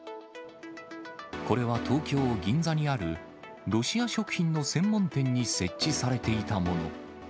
これは東京・銀座にある、ロシア食品の専門店に設置されていたもの。